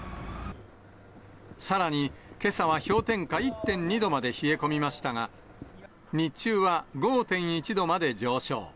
さらにけさは氷点下１．２度まで冷え込みましたが、日中は５．１度まで上昇。